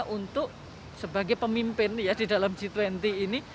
untuk sebagai pemimpin ya di dalam g dua puluh ini